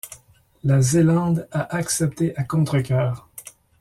La Zélande a accepté à contre cœur.